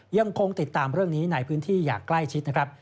ยังคงติดตามเรื่องนี้ในพื้นที่อย่างใกล้ชิดนะครับ